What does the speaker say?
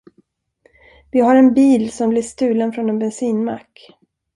Vi har en bil som blir stulen från en bensinmack.